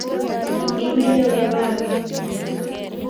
Imenye olebo ano?